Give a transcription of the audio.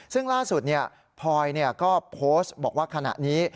ซึ่งล่าสุดพลอยก็โพสต์บอกว่าขณะนี้